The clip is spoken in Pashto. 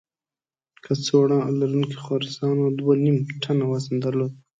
کڅوړه لرونکو خرسانو دوه نیم ټنه وزن درلود.